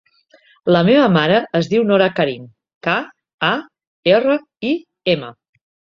La meva mare es diu Nora Karim: ca, a, erra, i, ema.